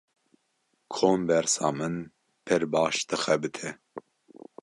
Kombersa min pir baş dixebite.